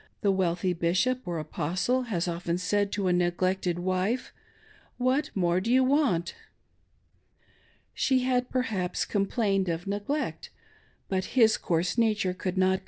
the wealthy Bishop or Apostle has often said to a neglected wife, "what more do you want.'" She had per haps complained of neglect, but his coarse nature could not DOMESTIC ARRANGEMENTS IN POLYGAMY.